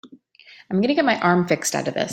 I'm gonna get my arm fixed out of this.